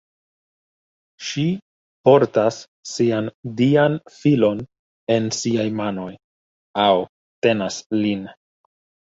Ŝi portas sian dian filon en siaj manoj, aŭ tenas lin.